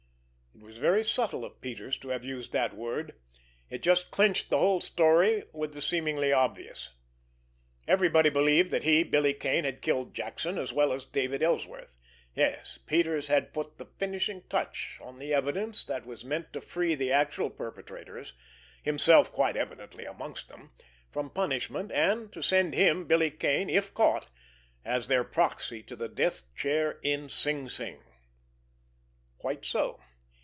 It was very subtle of Peters to have used that word—it just clinched the whole story with the seemingly obvious. Everybody believed that he, Billy Kane, had killed Jackson, as well as David Ellsworth. Yes, Peters had put the finishing touch on the evidence that was meant to free the actual perpetrators, himself quite evidently amongst them, from punishment, and to send him, Billy Kane, if caught, as their proxy to the death chair in Sing Sing. Quite so!